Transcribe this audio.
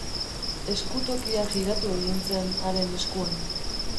Eskutokia jiratu egin zen haren eskuan.